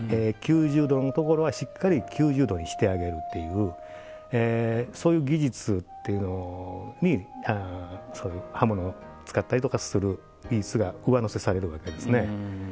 ９０度のところはしっかり９０度にしてあげるっていうそういう技術っていうのに刃物を使ったりとかする技術が上乗せされるわけですね。